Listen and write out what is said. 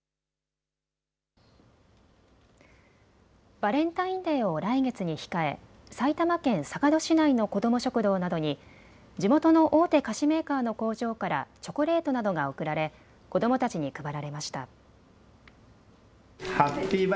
バレンタインデーを来月に控え埼玉県坂戸市内の子ども食堂などに地元の大手菓子メーカーの工場からチョコレートなどが贈られ子どもたちに配られました。